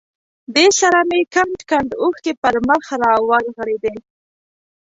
دې سره مې کنډ کنډ اوښکې پر مخ را ورغړېدې.